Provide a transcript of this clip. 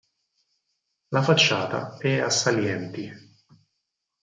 La facciata è a salienti.